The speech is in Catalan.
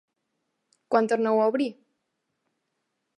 Quan torneu a obrir?